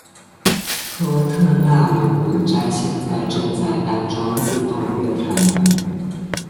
托特纳姆谷站现在正在安装自动月台门。